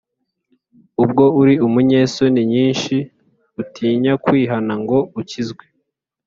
ubwo uri umunyesoni nyinshi, utinya kwihana ngo ukizwe